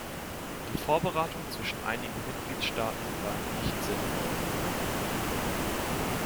Die Vorberatung zwischen einigen Mitgliedstaaten war nicht sinnvoll.